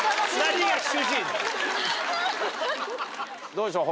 どうでしょう？